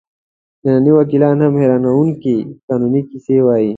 ننني وکیلان هم حیرانوونکې قانوني کیسې وایي.